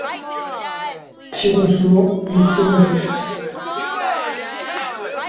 Tirons souvent, mais tirons juste.